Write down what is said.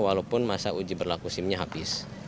walaupun masa uji berlaku sim nya habis